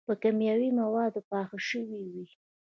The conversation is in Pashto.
پۀ کيماوي موادو پاخۀ شوي وي